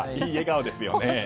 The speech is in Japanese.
いい笑顔ですよね。